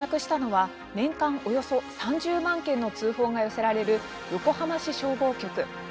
密着したのは年間およそ３０万件の通報が寄せられる横浜市消防局。